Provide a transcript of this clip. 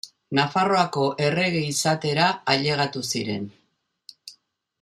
Nafarroako errege izatera ailegatu ziren.